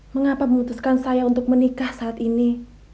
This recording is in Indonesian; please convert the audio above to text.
mengapa memutuskan saya untuk menikah saat ini